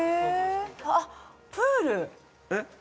あっプール。